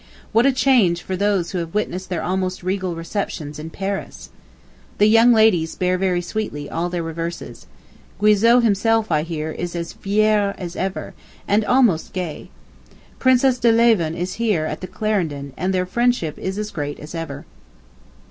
What a change for those who have witnessed their almost regal receptions in Paris! The young ladies bear very sweetly all their reverses. ... Guizot, himself, I hear, is as fier as ever, and almost gay. Princess de Lieven is here at the "Clarendon," and their friendship is as great as ever.